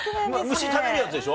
虫食べるやつでしょ？